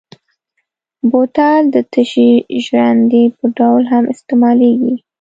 بوتل د تشې ژرندې په ډول هم استعمالېږي.